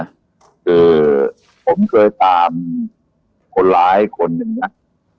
คือผมเคยตามคนร้ายแบบนี้